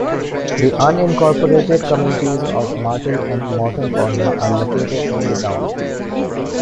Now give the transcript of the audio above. The unincorporated communities of Martell and Morton Corner are located in the town.